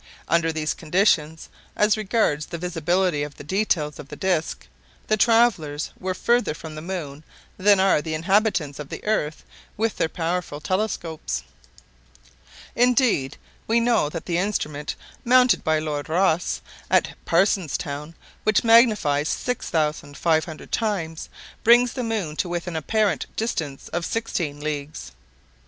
Under these conditions, as regards the visibility of the details of the disc, the travelers were farther from the moon than are the inhabitants of earth with their powerful telescopes. Indeed, we know that the instrument mounted by Lord Rosse at Parsonstown, which magnifies 6,500 times, brings the moon to within an apparent distance of sixteen leagues.